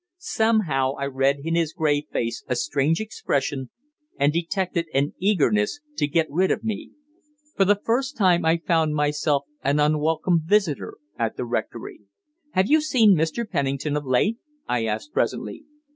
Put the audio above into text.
Somehow I read in his grey face a strange expression, and detected an eagerness to get rid of me. For the first time I found myself an unwelcome visitor at the rectory. "Have you seen Mr. Pennington of late?" I asked presently.